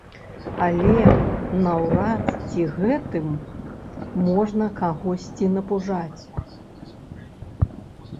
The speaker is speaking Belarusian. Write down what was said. Але наўрад ці гэтым можна кагосьці напужаць.